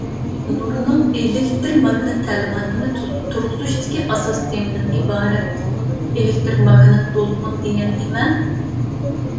نۇرنىڭ ئېلېكتر ماگنىت تەلىماتىنى تۇرغۇزۇشتىكى ئاساس تېمىدىن ئىبارەت؟ ئېلېكتر ماگنىت دولقۇن دېگەن نېمە؟